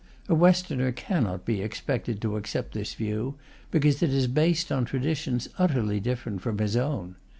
A Westerner cannot be expected to accept this view, because it is based on traditions utterly different from his own.